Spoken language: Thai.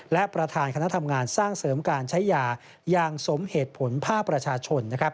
และประธานคณะทำงานสร้างเสริมการใช้ยาอย่างสมเหตุผลภาคประชาชน